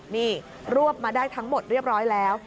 นี่รวบมาได้ทั้งหมดเรียบร้อยแล้ว